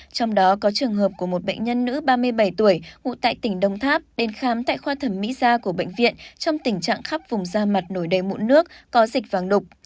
trong đó có trường hợp của một bệnh nhân nữ ba mươi bảy tuổi ngụ tại tỉnh đồng tháp đến khám tại khoa thẩm mỹ da của bệnh viện trong tình trạng khắp vùng da mặt nổi đầy mụn nước có dịch vàng đục